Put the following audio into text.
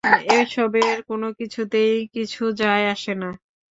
এসবের কোনোকিছুতেই কিছু যায় আসে না।